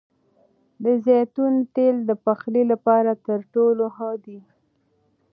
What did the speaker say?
د زیتون تېل د پخلي لپاره تر ټولو ښه دي.